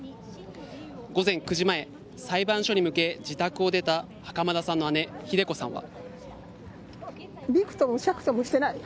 午前９時前裁判所に向け、自宅を出た袴田さんの姉・ひで子さんは。